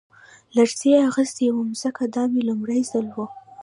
لړزې اخیستی وم ځکه دا مې لومړی ځل و